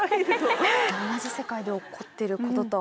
同じ世界で起こっていることとは。